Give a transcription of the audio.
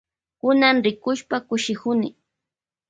Kunan rikushpa kushikuni.